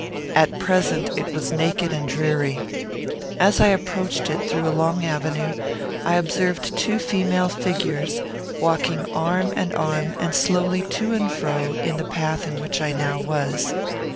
At present it was naked and dreary. As I approached it, through a long avenue, I observed two female figures, walking arm in arm and slowly to and fro, in the path in which I now was.